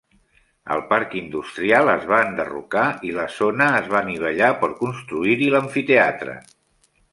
El parc industrial es va enderrocar i la zona es va anivellar per construir-hi l'amfiteatre.